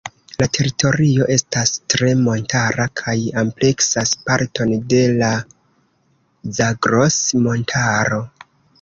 La teritorio estas tre montara kaj ampleksas parton de la Zagros-Montaro.